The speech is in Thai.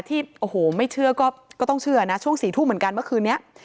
ที่โอ้โหไม่เชื่อก็ต้องเชื่อนะช่วง๔ทุ่มเหมือนกันเมื่อคืนนี้